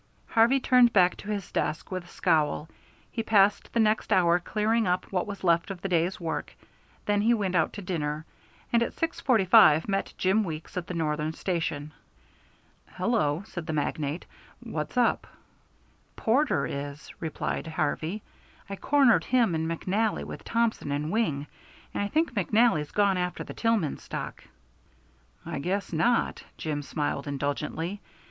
Harvey turned back to his desk with a scowl. He passed the next hour clearing up what was left of the day's work; then he went out to dinner, and at 6.45 met Jim Weeks at the Northern Station. "Hello," said the magnate, "what's up?" "Porter is," replied Harvey. "I cornered him and McNally with Thompson and Wing, and I think McNally's gone after the Tillman stock." "I guess not," Jim smiled indulgently.